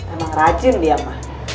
emang rajin dia mah